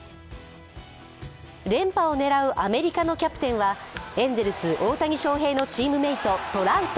連覇を狙うアメリカのキャプテンはエンゼルス・大谷翔平のチームメイト、トラウト。